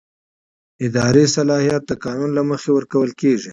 اداري صلاحیت د قانون له مخې ورکول کېږي.